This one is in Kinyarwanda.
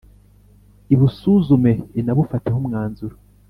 ibusuzume inabufateho umwanzuro